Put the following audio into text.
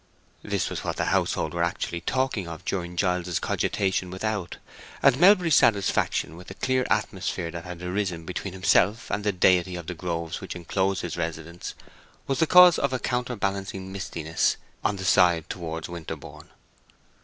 This was what the household were actually talking of during Giles's cogitation without; and Melbury's satisfaction with the clear atmosphere that had arisen between himself and the deity of the groves which enclosed his residence was the cause of a counterbalancing mistiness on the side towards Winterborne.